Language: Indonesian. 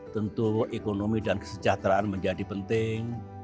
tentu ekonomi dan kesejahteraan menjadi penting